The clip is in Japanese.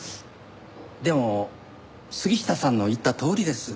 でも杉下さんの言ったとおりです。